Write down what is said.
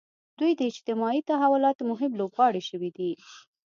دوی د اجتماعي تحولاتو مهم لوبغاړي شوي دي.